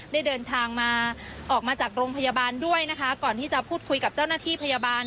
ได้เดินทางมาออกมาจากโรงพยาบาลด้วยนะคะก่อนที่จะพูดคุยกับเจ้าหน้าที่พยาบาล